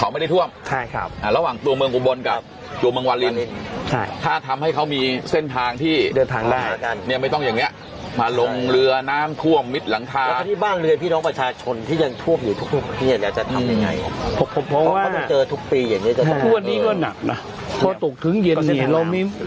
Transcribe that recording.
พี่เห็นแล้วจะทำยังไงเพราะว่าพอตกถึงเย็นเห็นเรามี